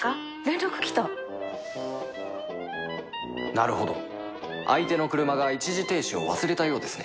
なるほど相手の車が一時停止を忘れたようですね